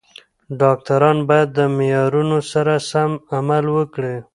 ډاکټران باید د معیارونو سره سم عمل وکړي.